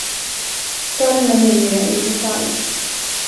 Staden är numera i förfall.